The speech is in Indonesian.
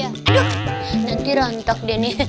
aduh nanti rantak dia nih